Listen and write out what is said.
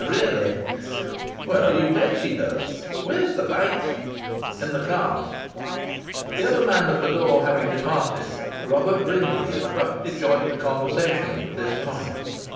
"Really?" "Well, you bet she does!" "Where's the bite?" "In the calf." The other man at the door having departed Robert Brindley abruptly joined the conversation at this point.